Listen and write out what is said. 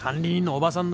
「おばさん」